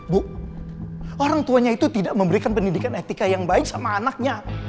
bu orang tuanya itu tidak memberikan pendidikan etika yang baik sama anaknya